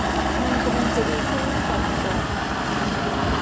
มันกำลังจะดีขึ้นมากกว่าแต่ก่อน